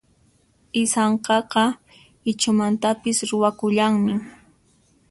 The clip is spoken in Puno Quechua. Isankaqa Ichhumantapis ruwakullanmi.